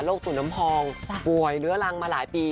ตุ๋นน้ำพองป่วยเรื้อรังมาหลายปี